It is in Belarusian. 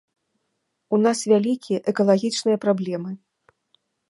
У нас вялікія экалагічныя праблемы.